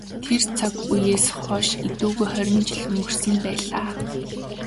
Тэр цаг үеэс хойш эдүгээ хорин жил өнгөрсөн байлаа.